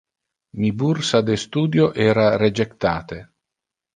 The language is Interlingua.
Mi bursa de studio era rejectate.